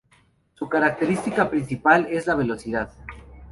Su característica principal es la velocidad.